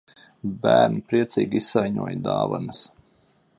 Bērni priecīgi izsaiņoja dāvanas.